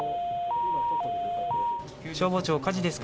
消防庁、火事ですか？